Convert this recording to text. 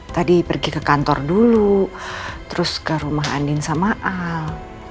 tadi pergi ke kantor dulu terus ke rumah andin sama al